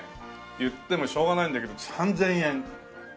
言ってもしょうがないんだけど３０００円。